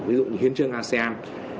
ví dụ như hiến trương asean